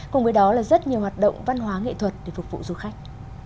cùng với đó là rất nhiều hoạt động văn hóa nghệ thuật để phục vụ du khách